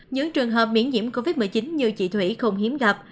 những trường hợp nhiễm covid một mươi chín như chị thủy không hiếm gặp